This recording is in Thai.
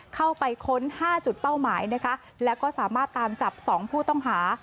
เข้าไปค้น๕จุดเป้าหมายแล้วก็สามารถตามจับ๒ผู้ต้องหา